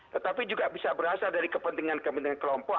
tetapi juga bisa berasal dari kepentingan kepentingan kelompok